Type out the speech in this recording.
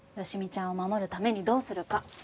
好美ちゃんを守るためにどうするか。